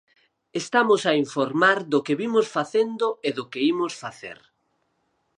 Estamos a informar do que vimos facendo e do que imos facer.